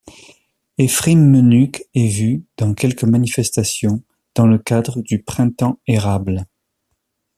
Efrim Menuck est vu dans quelques manifestations dans le cadre du printemps érable.